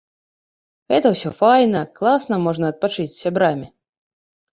Гэта ўсё файна, класна можна адпачыць з сябрамі.